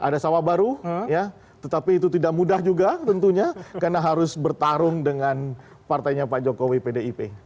ada sawah baru ya tetapi itu tidak mudah juga tentunya karena harus bertarung dengan partainya pak jokowi pdip